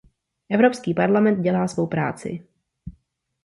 Evropský parlament dělá svou práci.